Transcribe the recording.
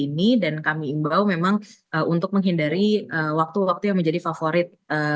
ini dan kami imbau memang untuk menghindari waktu waktu yang menjadi favorit